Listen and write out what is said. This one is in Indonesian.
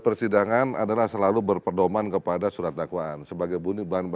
persidangan adalah selalu berperdomaan kepada surat dakwaan